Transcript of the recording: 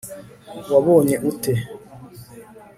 wabonye ute